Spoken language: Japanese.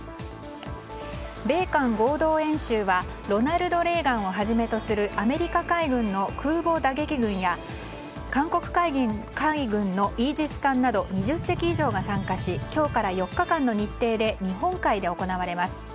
米韓合同演習は「ロナルド・レーガン」をはじめとするアメリカ海軍の空母打撃群や韓国海軍のイージス艦など２０隻以上が参加し今日から４日間の日程で日本海で行われます。